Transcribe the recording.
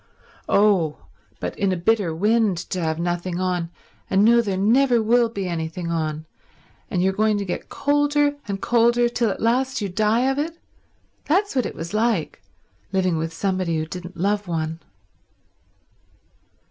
"Oh, but in a bitter wind to have nothing on and know there never will be anything on and you going to get colder and colder till at last you die of it—that's what it was like, living with somebody who didn't love one."